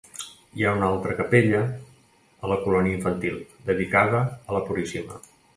Hi ha una altra capella a la colònia infantil, dedicada a la Puríssima.